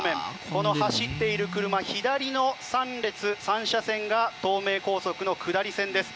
この走っている車左の３列３車線が東名高速の下り線です。